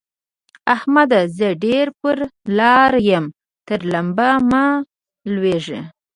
احمده! زه در پر لاره يم؛ تر لمبه مه لوېږه.